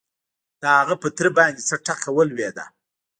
د هغه په تره باندې څه ټکه ولوېده؟